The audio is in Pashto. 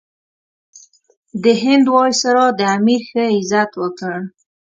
د هند وایسرا د امیر ښه عزت وکړ.